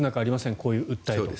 こういう訴え。